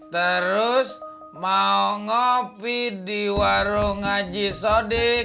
terus mau ngopi di warung ngaji sodik